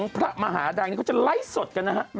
พระมหาดังนี้เขาจะไลฟ์สดกันนะฮะ